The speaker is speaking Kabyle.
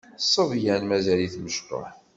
D ṣṣebyan mazal-it mecṭuḥ.